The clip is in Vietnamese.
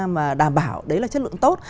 mà đảm bảo đấy là chất lượng tốt